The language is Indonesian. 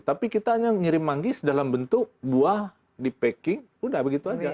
tapi kita hanya mengirim manggis dalam bentuk buah di packing sudah begitu saja